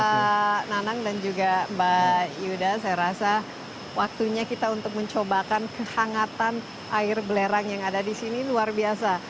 pak nanang dan juga mbak yuda saya rasa waktunya kita untuk mencobakan kehangatan air belerang yang ada di sini luar biasa